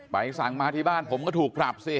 สั่งมาที่บ้านผมก็ถูกปรับสิ